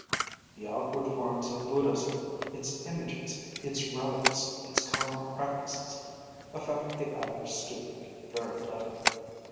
The outward forms of Buddhism its images, its relics, its commoner practices affect the average student very little.